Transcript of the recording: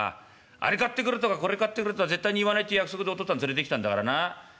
あれ買ってくれとかこれ買ってくれとか絶対に言わないって約束でお父っつぁん連れてきたんだからな静かにしてろ」。